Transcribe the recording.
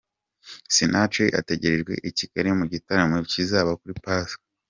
Sinach ategerejwe i Kigali mu gitaramo kizaba kuri Pasika.